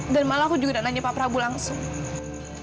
dan malah aku juga udah nanya pak prabu langsung